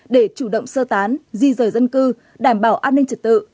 để chủ động sơ tán di rời dân cư đảm bảo an ninh trật tự